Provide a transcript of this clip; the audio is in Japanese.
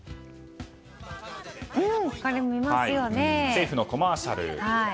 政府のコマーシャル。